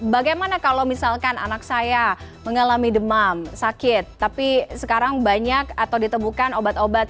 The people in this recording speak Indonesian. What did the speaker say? bagaimana kalau misalkan anak saya mengalami demam sakit tapi sekarang banyak atau ditemukan obat obat